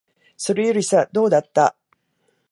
それよりさ、どうだった？